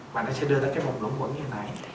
và nó sẽ đưa ra cái vùng lủng quẩn như hồi nãy